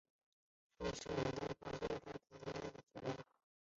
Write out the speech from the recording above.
灰刻齿雀鲷为雀鲷科刻齿雀鲷属的鱼类。